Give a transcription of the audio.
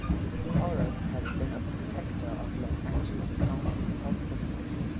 Koretz has been a protector of Los Angeles County's health system.